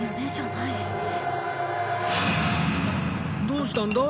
どうしたんだ？